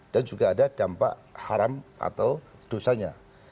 dan juga ada dampak haram atau dosanya